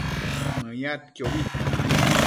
Mëyadquiobi